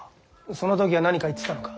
その時は何か言ってたのか？